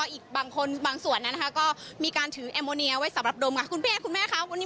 สี่โมงแล้วคะนานไหมคะอยากจะให้แบบนี้ก็ตรับเห็นอะไรไหมคะเรื่องของการลงมือทักทวนในวันนี้